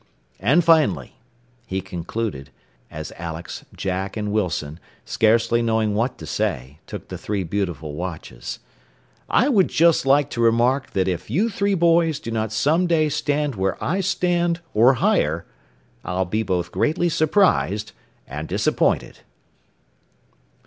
"And finally," he concluded, as Alex, Jack and Wilson, scarcely knowing what to say, took the three beautiful watches, "I would just like to remark that if you three boys do not some day stand where I stand, or higher, I'll be both greatly surprised and disappointed."